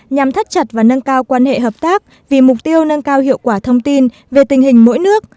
nhằm thắt chặt và nâng cao quan hệ hợp tác vì mục tiêu nâng cao hiệu quả thông tin về tình hình mỗi nước